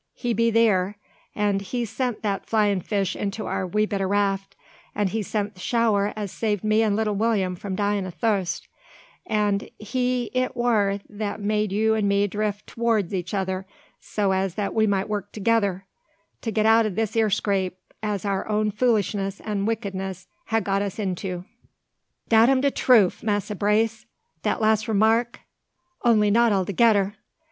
He be thear; and He sent the flyin' fish into our wee bit o' raft, and He sent the shower as saved me and little Will'm from dyin' o' thust; and He it war that made you an' me drift to'rds each other, so as that we might work thegither to get out o' this here scrape, as our own foolishness and wickedness ha' got us into." "Dat am de troof, Massa Brace, dat las' remark, only not altogedder!